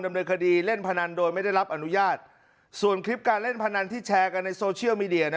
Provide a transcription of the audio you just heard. ดำเนินคดีเล่นพนันโดยไม่ได้รับอนุญาตส่วนคลิปการเล่นพนันที่แชร์กันในโซเชียลมีเดียนะ